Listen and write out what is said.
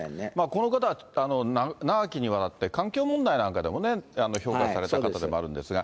この方は、長きにわたって、環境問題なんかでも評価された方でもあるんですが。